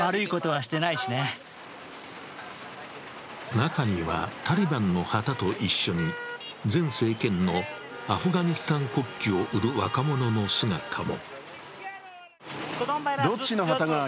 中にはタリバンの旗と一緒に前政権のアフガニスタン国旗を売る若者の姿も。